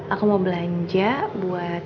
aku mau belanja buat